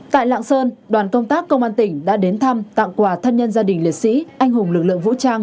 tại lạng sơn đoàn công tác công an tỉnh đã đến thăm tặng quà thân nhân gia đình liệt sĩ anh hùng lực lượng vũ trang hứa văn tấn